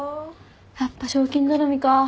やっぱ賞金頼みか。